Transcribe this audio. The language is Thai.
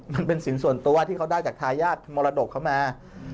มันเป็นสินส่วนตัวที่เขาได้จากทายาทมรดกเขามา